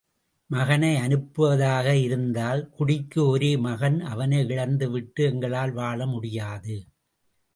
மகனை அனுப்புவதாக இருந்தால் குடிக்கு ஒரே மகன் அவனை இழந்து விட்டு எங்களால் வாழ முடியாது.